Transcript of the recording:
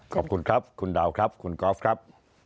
ขอบคุณครับคุณดาวครับคุณกอล์ฟครับ